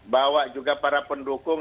bawa juga para pendukung